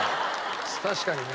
確かにね。